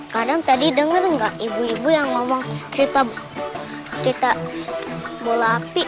kak adam tadi denger gak ibu ibu yang ngomong cerita bola api